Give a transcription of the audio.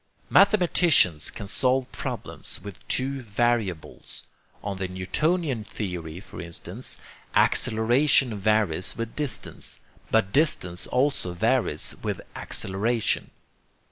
Mathematicians can solve problems with two variables. On the Newtonian theory, for instance, acceleration varies with distance, but distance also varies with acceleration.